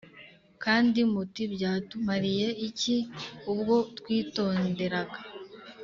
kandi muti Byatumariye iki ubwo twitonderaga